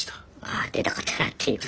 ああ出たかったなっていう。